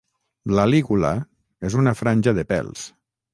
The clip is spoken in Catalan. La lígula és una franja de pèls.